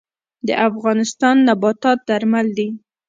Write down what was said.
د افغانستان نباتات درمل دي